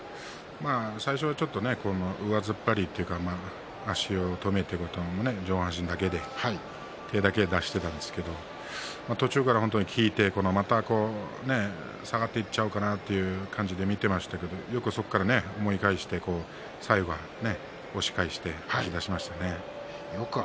最初はちょっと上突っ張りというか足を止めて上半身だけで手だけ出していたんですが途中から引いて下がっていっちゃうかなという感じで見ていましたがそこからよく最後は押し返して勝ちましたね。